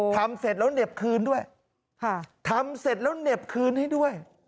เสร็จแล้วเหน็บคืนด้วยทำเสร็จแล้วเหน็บคืนให้ด้วย